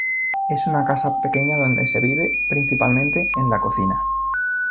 Es una casa pequeña donde se vive, principalmente, en la cocina.